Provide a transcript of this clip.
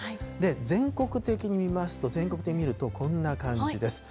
全国的に見ますと、全国的に見ると、こんな感じです。